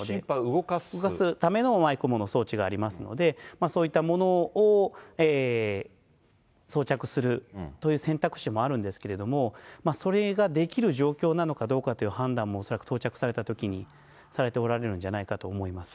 動かすためのＥＣＭＯの装置がありますので、そういったものを装着するという選択肢もあるんですけれども、それができる状況なのかどうかという判断も、恐らく到着されたときにされておられるんじゃないかと思います。